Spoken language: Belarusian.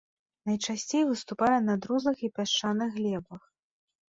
Найчасцей выступае на друзлых і пясчаных глебах.